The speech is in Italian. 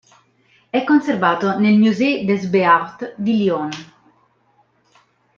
È conservato nel Musée des Beaux-Arts di Lione.